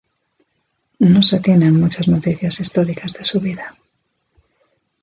No se tiene muchas noticias históricas de su vida.